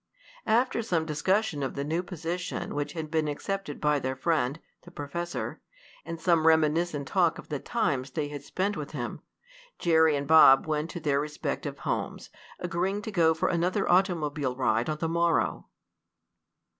After some discussion of the new position which had been accepted by their friend, the professor, and some reminiscent talk of the times they had spent with him, Jerry and Bob went to their respective homes, agreeing to go for another automobile ride on the morrow.